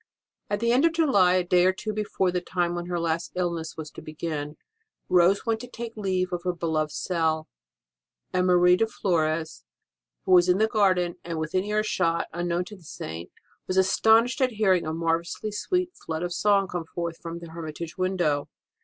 At the end of July, a day or two before the time when her last illness was to begin, Rose went to take leave of her beloved cell ; and Marie de Flores, who was in the garden and within earshot, un known to the Saint, was astonished at hearing a marvellously sweet flood of song come forth from the hermitage window.